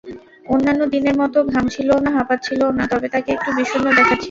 অন্যান্য দিনের মতো ঘামছিলও না, হাঁপাচ্ছিলও না, তবে তাকে একটু বিষণ্ন দেখাচ্ছিল।